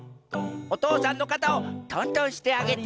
おとうさんのかたをとんとんしてあげて。